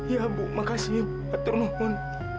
ya ibu makasih mbak turnuhun